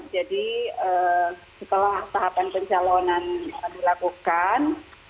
jadi setelah tahapan pencalonan dilakukan